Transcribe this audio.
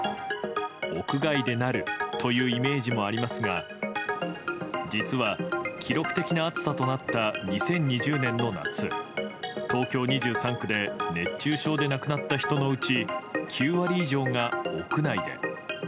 屋外でなるというイメージもありますが実は、記録的な暑さとなった２０２０年の夏東京２３区で熱中症で亡くなった人のうち９割以上が屋内で。